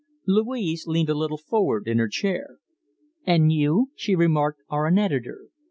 Louise leaned a little forward in her chair. "And you," she remarked, "are an editor!